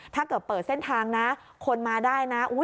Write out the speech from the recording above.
ถ้าเกิดเปิดเส้นทางนะคนมาได้นะ